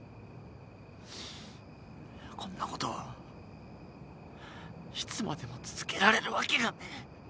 こんなこといつまでも続けられるわけがねえ。